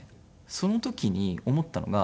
その時に思ったのが。